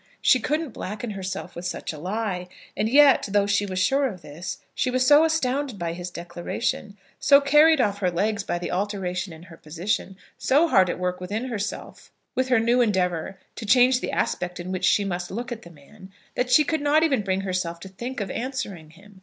She couldn't blacken herself with such a lie. And yet, though she was sure of this, she was so astounded by his declaration, so carried off her legs by the alteration in her position, so hard at work within herself with her new endeavour to change the aspect in which she must look at the man, that she could not even bring herself to think of answering him.